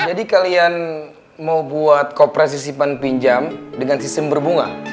jadi kalian mau buat kopresisi pan pinjam dengan sistem berbunga